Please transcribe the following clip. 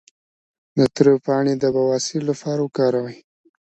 د تره پاڼې د بواسیر لپاره وکاروئ